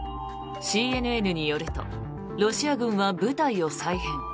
ＣＮＮによるとロシア軍は部隊を再編。